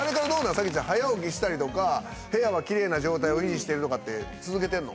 早紀ちゃん早起きしたりとか部屋はキレイな状態を維持してるとかって続けてんの？